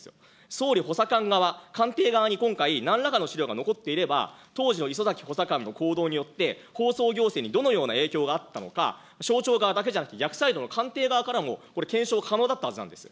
総理補佐官側、官邸側に今回、なんらかの資料が残っていれば、当時の礒崎補佐官の行動によって、放送行政によってどのような影響があったのか、省庁側だけじゃなくて、逆サイドの官邸側からも、これ、検証可能だったはずなんです。